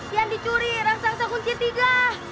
yang dicuri raksasa kunci tiga